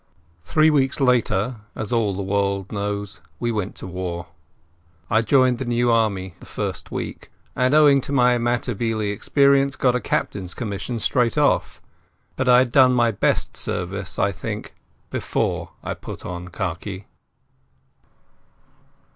Seven weeks later, as all the world knows, we went to war. I joined the New Army the first week, and owing to my Matabele experience got a captain's commission straight off. But I had done my best service, I think, before I put on khaki.